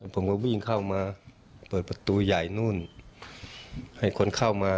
ผมก็วิ่งเข้ามาเปิดประตูใหญ่นู่นให้คนเข้ามา